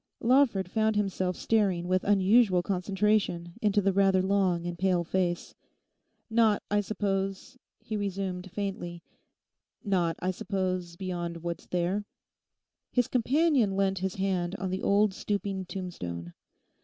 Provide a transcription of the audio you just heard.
Lawford found himself staring with unusual concentration into the rather long and pale face. 'Not, I suppose,' he resumed faintly—'not, I suppose, beyond what's there.' His companion leant his hand on the old stooping tombstone.